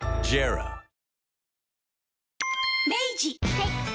はい。